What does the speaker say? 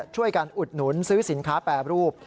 ช่วยการอุดหนุนซื้อสินค้าแปรรูป